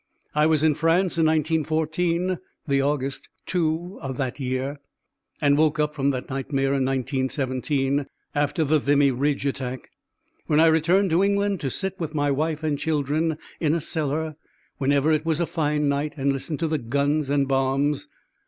I was in France in 1914 the August, too, of that year, and woke up from that nightmare in 1917, after the Vimy Ridge attack, when I returned to England to sit with my wife and children in a cellar whenever it was a fine night and listened to the guns and bombs.